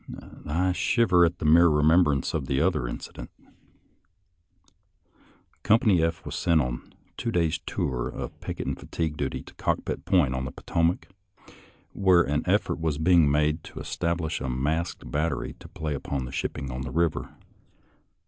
I shiver at the mere remembrance of the other incident. CJompany F was sent on a two days' tour of picket and fatigue duty to Cockpit Point, on the Potomac, where an effort was being made to establish a masked battery to play upon ship ping on the river.